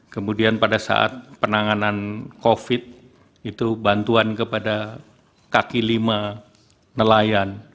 kemudian pada saat penanganan covid itu bantuan kepada kaki lima nelayan